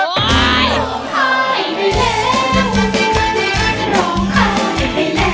ร้องหายได้แล้วร้องหายได้แล้ว